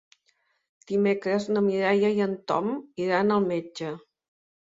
Dimecres na Mireia i en Tom iran al metge.